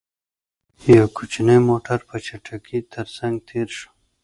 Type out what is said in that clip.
يو کوچينی موټر، په چټکۍ تر څنګ تېر شو.